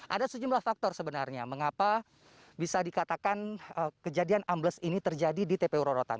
ada sejumlah faktor sebenarnya mengapa bisa dikatakan kejadian ambles ini terjadi di tpu rorotan